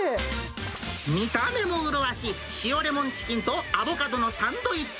見た目も麗しい塩レモンチキンとアボカドのサンドイッチ。